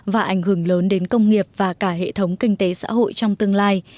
và ảnh hưởng lớn đến công nghiệp và cả hệ thống kinh tế xã hội trong tương lai